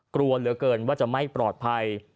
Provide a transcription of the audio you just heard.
กลัวเหลือเกินว่าจะไม่ปลอดภัย